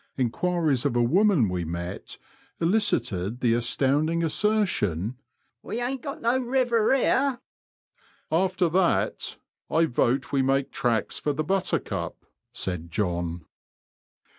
Enquiries of a woman we met elicited the astounding asser tion, We ain't got no river here.'* *' After that, I vote we make 'tracks for the Buttercup," said John.